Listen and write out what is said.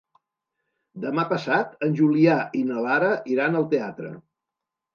Demà passat en Julià i na Lara iran al teatre.